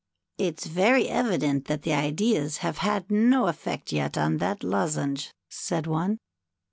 ^^It's very evident that the ideas have had no effect yet on that lozenge," said one.